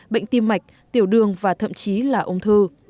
bệnh tim mạch tiểu đường và thậm chí là ung thư